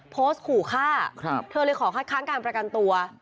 โพสต์ขู่ฆ่าเธอเลยขอคัดค้างการประกันตัว